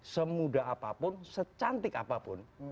semudah apapun secantik apapun